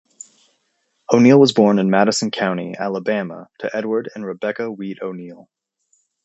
O'Neal was born in Madison County, Alabama, to Edward and Rebecca Wheat O'Neal.